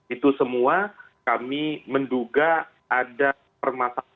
itu semua kami menduga ada permasalahan